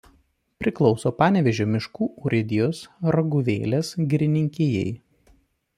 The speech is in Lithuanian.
Priklauso Panevėžio miškų urėdijos Raguvėlės girininkijai.